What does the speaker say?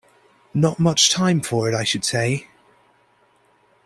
Not much time for it, I should say?